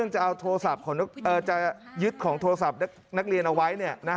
จะยึดของโทรศัพท์นักเรียนเอาไว้